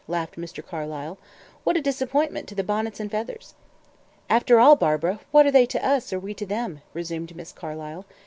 laughed Mr. Carlyle. "What a disappointment to the bonnets and feathers!" "After all, Barbara, what are they to us, or we to them?" resumed Miss Carlyle.